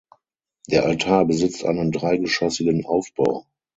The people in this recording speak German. Der Altar besitzt einen dreigeschossigen Aufbau.